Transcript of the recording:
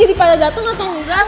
jadi pada dateng atau enggak sih